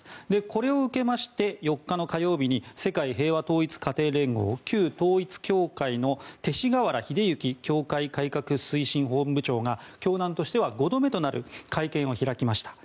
これを受けまして４日の火曜日に世界平和統一家庭連合旧統一教会の勅使河原秀行教会改革推進本部長が教団としては５度目となる会見を開きました。